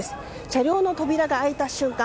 車両の扉が開いた瞬間